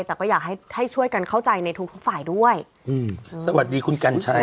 แต่ก็อยากให้ให้ช่วยกันเข้าใจในทุกทุกฝ่ายด้วยอืมสวัสดีคุณกัญชัย